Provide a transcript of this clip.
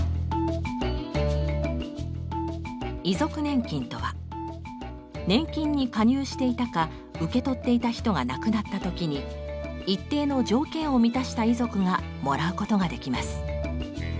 遺族年金とは年金に加入していたか受け取っていた人が亡くなった時に一定の条件を満たした遺族がもらうことができます。